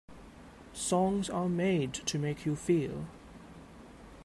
Songs are made to make you feel.